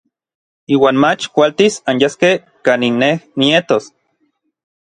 Iuan mach kualtis anyaskej kanin nej nietos.